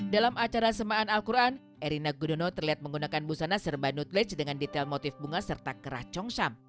dalam acara semaan al quran irina gudono terlihat menggunakan busana serba nutlej dengan detail motif bunga serta keracong sam